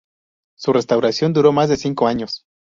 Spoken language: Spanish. Su restauración duró más de cinco años.